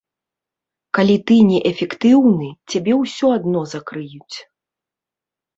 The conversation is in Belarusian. Калі ты не эфектыўны, цябе ўсё адно закрыюць.